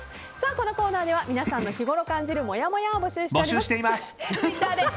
このコーナーでは皆さんの日頃感じるもやもやを募集しています。